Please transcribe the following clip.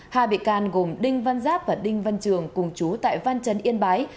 hai bị can gồm đinh văn giáp và đinh văn trường cùng chú tại văn chấn yên bái